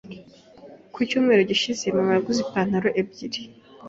Ku cyumweru gishize, mama yanguze ipantaro ebyiri.